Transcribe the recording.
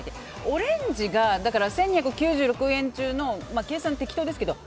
オレンジが１２９６円中の計算適当ですけど